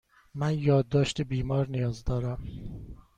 من یادداشت بیمار نیاز دارم.